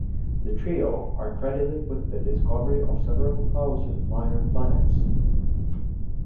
The trio are credited with the discovery of several thousand minor planets.